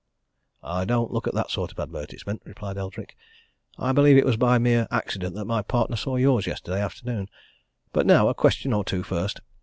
"I don't look at that sort of advertisement," replied Eldrick. "I believe it was by mere accident that my partner saw yours yesterday afternoon. But now, a question or two first.